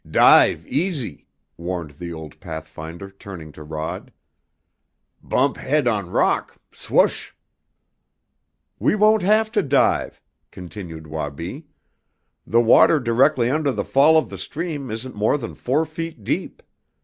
"Dive easy!" warned the old pathfinder, turning to Rod. "Bump head on rock swush!" "We won't have to dive," continued Wabi. "The water directly under the fall of the stream isn't more than four feet deep.